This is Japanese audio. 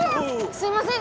すいません。